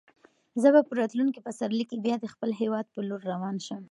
زه به په راتلونکي پسرلي کې بیا د خپل هیواد په لور روان شم.